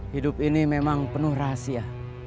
hidup ini memang penuh rahasia